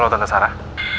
halo tante sarah